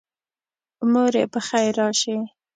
موري پخیر راشي